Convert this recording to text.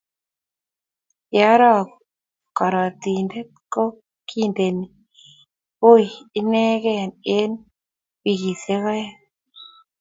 ye aroku karotinde ko kindeni oi inegei eng' wikisiek oeng'